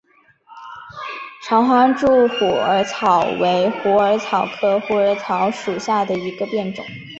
长花柱虎耳草为虎耳草科虎耳草属下的一个变种。